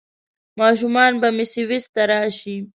ماشومان به مې سویس ته راشي؟